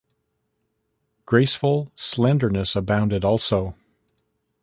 Graceful slenderness abounded also.